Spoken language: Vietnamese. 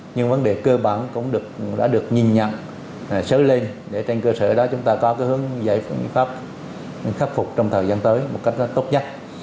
nhưng vấn đề cơ bản cũng đã được nhìn nhận sới lên để trên cơ sở đó chúng ta có cái hướng giải pháp khắc phục trong thời gian tới một cách tốt nhất